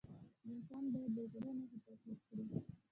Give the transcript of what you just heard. انسان باید د زړه نښې تعقیب کړي.